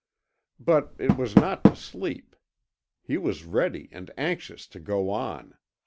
But it was not to sleep. He was ready and anxious to go on.